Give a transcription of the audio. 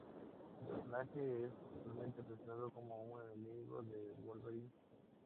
El personaje es usualmente representado como un enemigo de Wolverine.